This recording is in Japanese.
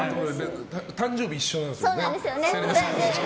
誕生日一緒なんですよね。